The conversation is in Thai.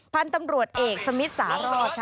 พันธุ์ตำรวจเอกสมิทสารอดค่ะ